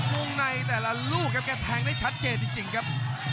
งในแต่ละลูกครับแกแทงได้ชัดเจนจริงครับ